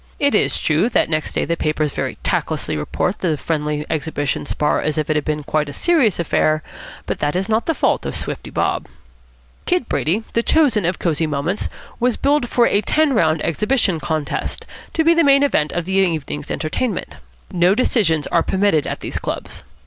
It is true that next day the papers very tactlessly report the friendly exhibition spar as if it had been quite a serious affair, but that is not the fault of Swifty Bob. Kid Brady, the chosen of Cosy Moments, was billed for a "ten round exhibition contest," to be the main event of the evening's entertainment. No decisions are permitted at these clubs.